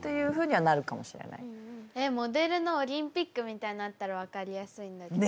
えっモデルのオリンピックみたいのあったら分かりやすいんだけど。